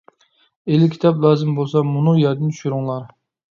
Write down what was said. ئېلكىتاب لازىم بولسا مۇنۇ يەردىن چۈشۈرۈڭلار.